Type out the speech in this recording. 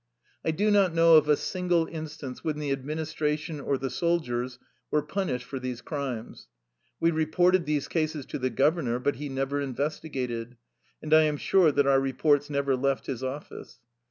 I do not know of a single instance when the administration or the soldiers were punished for these crimes. We reported these cases to the governor, but he never investigated, and I am sure that our reports never left his office.